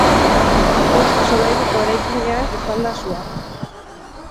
Bost solairuko eraikinean izan da sua.